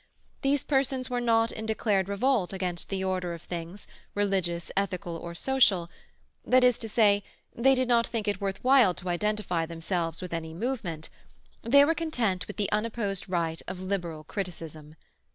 These persons were not in declared revolt against the order of things, religious, ethical, or social; that is to say, they did not think it worthwhile to identify themselves with any "movement"; they were content with the unopposed right of liberal criticism.